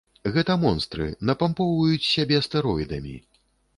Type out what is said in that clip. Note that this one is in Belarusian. Гэта монстры, напампоўваць сябе стэроідамі.